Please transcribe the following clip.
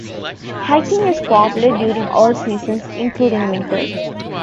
Hiking is popular during all seasons, including winter.